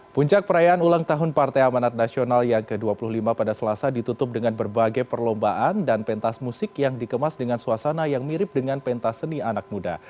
puncak perayaan ulang tahun partai amanat nasional yang ke dua puluh lima pada selasa ditutup dengan berbagai perlombaan dan pentas musik yang dikemas dengan suasana yang mirip dengan pentas seni anak muda